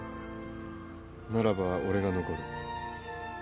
ならば俺が残る。